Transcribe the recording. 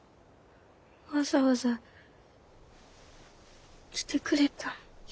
わざわざ来てくれたん？